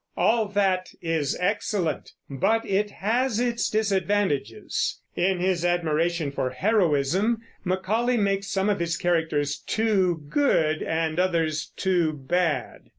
All that is excellent, but it has its disadvantages. In his admiration for heroism, Macaulay makes some of his characters too good and others too bad.